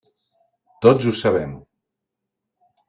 Tots ho sabem.